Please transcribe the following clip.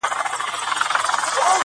جانان مي مه رسوا کوه ماته راځینه!!